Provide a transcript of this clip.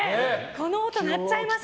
この音、鳴っちゃいましたね。